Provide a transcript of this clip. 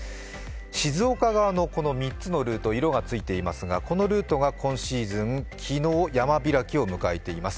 静岡側の３つのルート、色がついていますがこのルートが今シーズン、昨日、山開きを迎えています。